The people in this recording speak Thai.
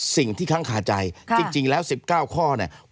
สิ่งที่ข้างขาใจจริงแล้ว๑๙ข้อเนี่ย